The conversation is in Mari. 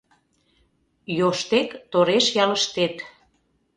Йоштек, тореш ялыштет